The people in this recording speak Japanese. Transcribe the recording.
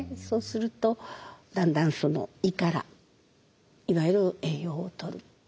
そうするとだんだん胃からいわゆる栄養をとる。